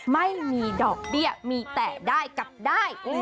ไม่มีดอกเบี้ยมีแต่ได้กับได้